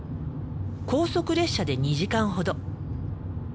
高速列車で２時間ほど。